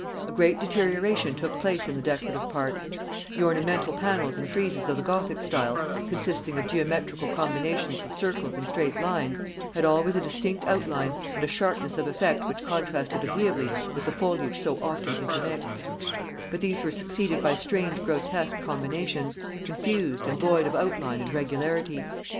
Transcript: A great deterioration took place in the decorative part; the ornamental pannels and freizes of the Gothic style, consisting of geometrical combinations of circles and straight lines, had always a distinct outline and a sharpness of effect which contrasted agreeably with the foliage so often intermixed; but these were succeeded by strange grotesque combinations, confused, and void of outline and regularity.